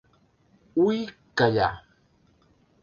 Ui callar...